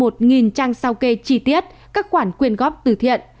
một trang sao kê chi tiết các khoản quyên góp từ thiện